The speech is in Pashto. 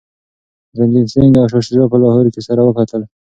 رنجیت سنګ او شاه شجاع په لاهور کي سره وکتل.